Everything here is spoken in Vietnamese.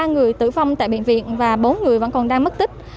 một mươi ba người tử vong tại bệnh viện và bốn người vẫn còn đang mất tích